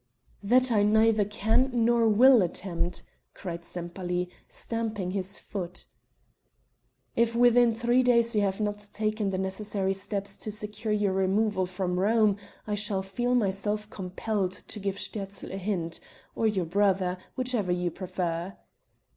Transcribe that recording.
"That I neither can nor will attempt," cried Sempaly, stamping his foot. "If within three days you have not taken the necessary steps to secure your removal from Rome, I shall feel myself compelled to give Sterzl a hint or your brother whichever you prefer."